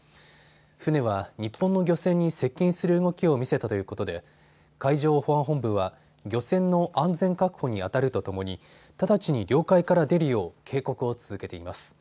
船は日本の漁船に接近する動きを見せたということで海上保安本部は漁船の安全確保にあたるとともに直ちに領海から出るよう警告を続けています。